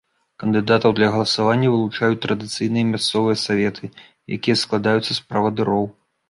Кандыдатаў для галасавання вылучаюць традыцыйныя мясцовыя саветы, якія складаюцца з правадыроў.